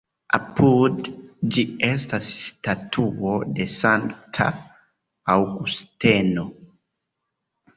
Apud ĝi estas statuo de Sankta Aŭgusteno.